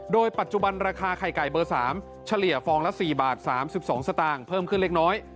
โดยปัจจุบันราคาไข่ไก่เบอร์๓เฉลี่ยฟองละ๔บาท๓๒สตางค์เพิ่มขึ้นเล็กน้อย